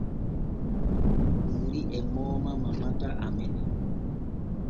Kuuri e mooma mamata amene.